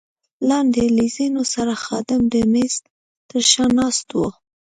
لاندې له زینو سره خادم د مېز تر شا ناست وو.